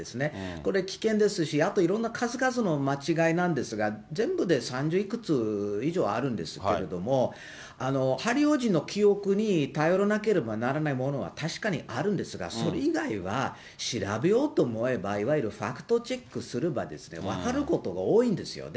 これ、危険ですし、あといろんな数々の間違いなんですが、全部で三十いくつ以上あるんですけど、ハリー王子の記憶に頼らなければならないものは確かにあるんですが、それ以外は調べようと思えば、いわゆるファクトチェックすれば分かることが多いんですよね。